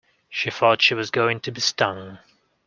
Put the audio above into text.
She thought she was going to be stung.